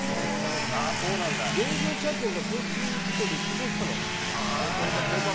現役のチャンピオンが交通事故で死亡したの。